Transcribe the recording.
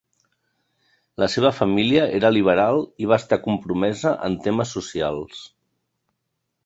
La seva família era liberal i va estar compromesa en temes socials.